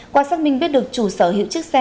qua xác minh biết được chủ sở hữu chiếc xe